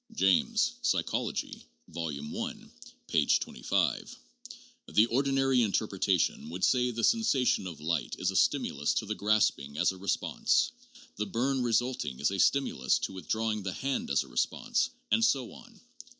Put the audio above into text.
(James, Psychology, Vol. I, p. 25.) The ordinary in terpretation would say the sensation of light is a stimulus to the grasping as a response, the burn resulting is a stimulus to with drawing the hand as response and so on.